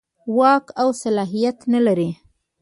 واک او صلاحیت نه لري.